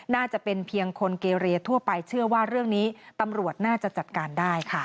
น่าจะเป็นเพียงคนเกรียทั่วไปเชื่อว่าเรื่องนี้ตำรวจน่าจะจัดการได้ค่ะ